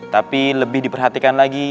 tapi lebih diperhatikan lagi